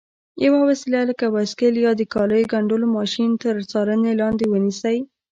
یوه وسیله لکه بایسکل یا د کالیو ګنډلو ماشین تر څارنې لاندې ونیسئ.